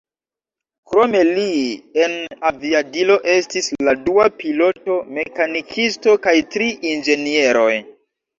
Krom li, en aviadilo estis la dua piloto, mekanikisto kaj tri inĝenieroj.